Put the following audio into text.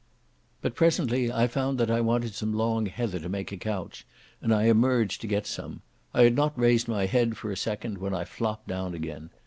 But presently I found that I wanted some long heather to make a couch, and I emerged to get some. I had not raised my head for a second when I flopped down again.